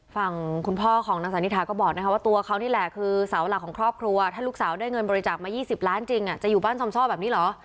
ฝั่งคุณพ่อของนางสาวนิถาก็บอกนะคะว่าตัวเขานี่แหละคือเสาหลักของครอบครัวถ้าลูกสาวได้เงินบริจาคมา๒๐ล้านจริงจะอยู่บ้านซอมซ่อแบบนี้เหรอ